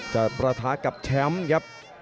ประทะกับแชมป์ครับ